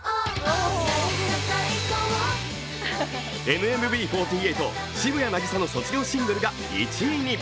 ＮＭＢ４８の渋谷凪咲の卒業シングルが１位。